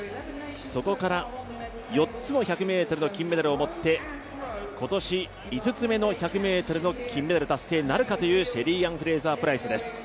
そこから４つの１００ｍの金メダルを持って今年５つ目の１００ｍの金メダル達成なるかというシェリーアン・フレイザー・プライスです。